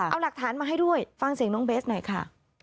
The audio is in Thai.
เอาหลักฐานมาให้ด้วยฟังเสียงน้องเบสหน่อยค่ะ